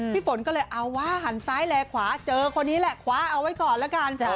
พี่ฝนก็เลยเอาว่าหันซ้ายแลขวาเจอคนนี้แหละคว้าเอาไว้ก่อนละกัน